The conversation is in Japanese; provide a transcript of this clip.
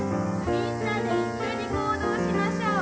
みんなで一緒に行動しましょう。